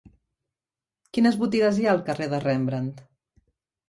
Quines botigues hi ha al carrer de Rembrandt?